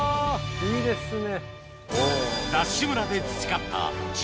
いいですね。